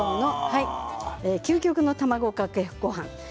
究極の卵かけごはんです。